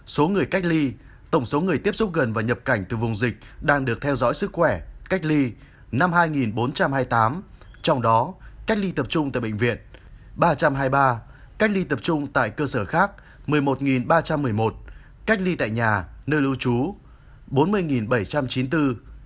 số người cách ly tổng số người tiếp xúc gần và nhập cảnh từ vùng dịch đang được theo dõi sức khỏe cách ly năm bốn trăm hai mươi tám trong đó cách ly tập trung tại bệnh viện ba trăm hai mươi ba cách ly tập trung tại cơ sở khác một mươi một ba trăm một mươi một cách ly tại nhà nơi lưu trú bốn mươi bảy trăm chín mươi bốn